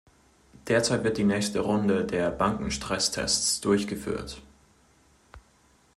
Derzeit wird die nächste Runde der Bankenstresstests durchgeführt.